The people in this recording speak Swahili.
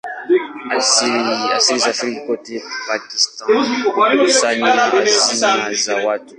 Alisafiri kote Pakistan kukusanya hazina za watu.